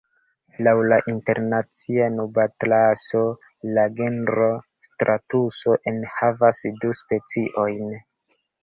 Laŭ la Internacia Nubatlaso, la genro stratuso enhavas du speciojn.